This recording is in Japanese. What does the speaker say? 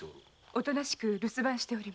おとなしく留守番しております。